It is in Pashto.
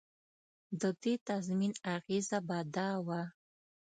د دې تضمین اغېزه به دا وه.